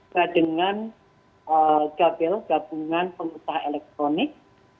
nah dengan gabel gabungan pengusaha elektronik